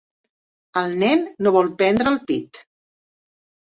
El nen no vol prendre el pit.